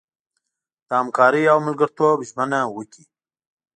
د همکارۍ او ملګرتوب ژمنه وکړي.